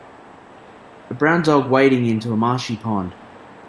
A brown dog wading into a marshy pond.